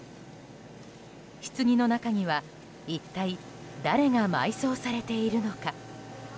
ひつぎの中には一体、誰が埋葬されているのか。